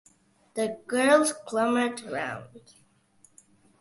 The girls clamoured round.